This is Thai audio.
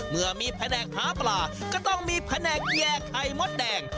เมื่อมีแผนกหาปลาก็ต้องมีแผนกแยกไข่มดแดง